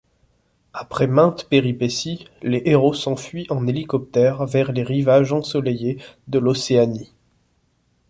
Après maintes péripéties, les héros s'enfuient en hélicoptère vers les rivages ensoleillés de l'Océanie.